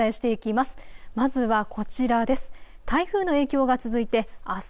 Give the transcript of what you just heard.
まずはこちらです。